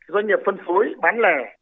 doanh nghiệp phân phối bán lẻ